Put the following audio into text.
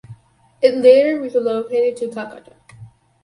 It later relocated to Calcutta.